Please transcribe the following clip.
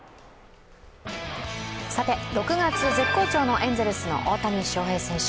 さて、６月絶好調のエンゼルスの大谷翔平選手。